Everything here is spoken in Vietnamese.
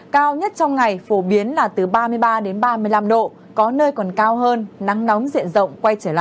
cao nhất trong ngày phổ biến là từ ba mươi ba đến ba mươi năm độ có nơi còn cao hơn nắng nóng diện rộng